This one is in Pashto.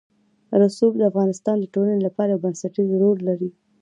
رسوب د افغانستان د ټولنې لپاره یو بنسټيز رول لري.